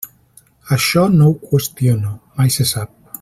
Això no ho qüestiono, mai se sap.